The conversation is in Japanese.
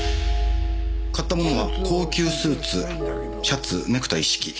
買ったものは高級スーツシャツネクタイ一式。